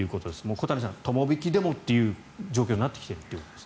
小谷さん、友引でもという状況になってきていると。